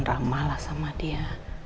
ramahlah sama dia